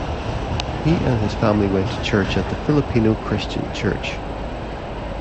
He and his family went to church at the Filipino Christian Church.